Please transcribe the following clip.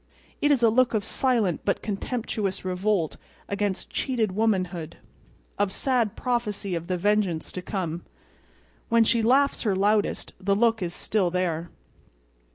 It is a look of silent but contemptuous revolt against cheated womanhood; of sad prophecy of the vengeance to come. When she laughs her loudest the look is still there.